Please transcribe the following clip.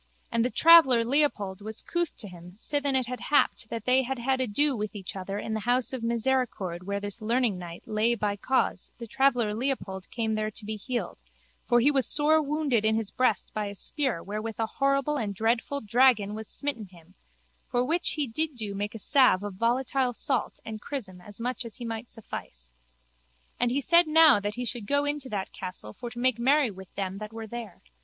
And the traveller Leopold was couth to him sithen it had happed that they had had ado each with other in the house of misericord where this learningknight lay by cause the traveller Leopold came there to be healed for he was sore wounded in his breast by a spear wherewith a horrible and dreadful dragon was smitten him for which he did do make a salve of volatile salt and chrism as much as he might suffice. And he said now that he should go in to that castle for to make merry with them that were there.